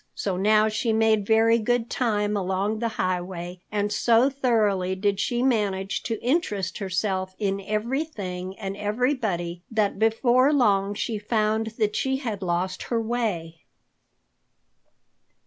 So now she made very good time along the highway, and so thoroughly did she manage to interest herself in everything and everybody that before very long she found that she had lost her way.